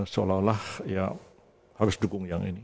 seolah olah ya harus dukung yang ini